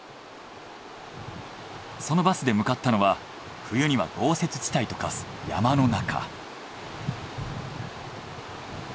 そのバスで向かったのは冬には豪雪地帯と化す山の中。